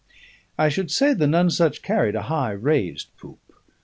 I should say the Nonesuch carried a high, raised poop.